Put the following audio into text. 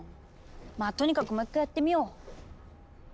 まあとにかくもう一回やってみよう！